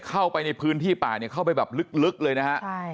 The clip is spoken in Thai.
เข้าไปในพื้นที่ป่าเนี่ยเข้าไปแบบลึกเลยนะฮะ